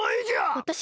わたし？